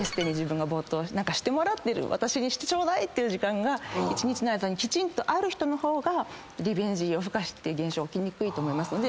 何かしてもらってる私にしてちょうだいっていう時間が一日の間にきちんとある人の方がリベンジ夜更かしって現象起きにくいと思いますので。